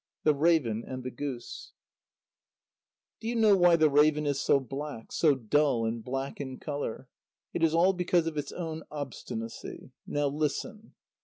THE RAVEN AND THE GOOSE Do you know why the raven is so black, so dull and black in colour? It is all because of its own obstinacy. Now listen.